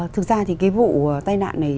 thực ra thì cái vụ tai nạn này